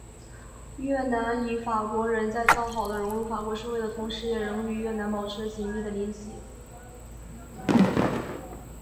越南裔法国人在较好的融入法国社会的同时也仍与越南保持着紧密的联系。